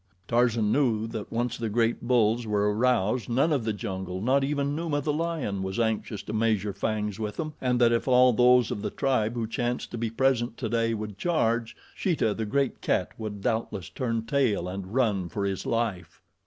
Tarzan knew that once the great bulls were aroused none of the jungle, not even Numa, the lion, was anxious to measure fangs with them, and that if all those of the tribe who chanced to be present today would charge, Sheeta, the great cat, would doubtless turn tail and run for his life.